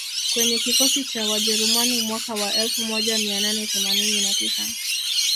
kwenye kikosi cha Wajerumani mwaka wa elfu moja mia nane themanini na tisa